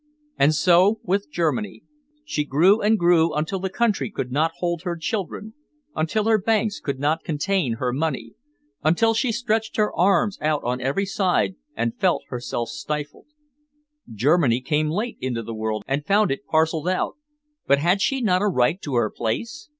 And so with Germany. She grew and grew until the country could not hold her children, until her banks could not contain her money, until she stretched her arms out on every side and felt herself stifled. Germany came late into the world and found it parcelled out, but had she not a right to her place?